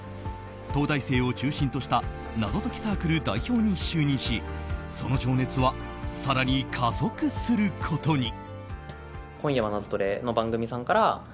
東大生を中心とした謎解きサークル代表に就任しその情熱は更に加速することに。